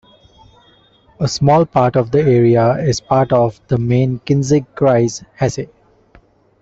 A small part of the area is part of the Main-Kinzig-Kreis, Hesse.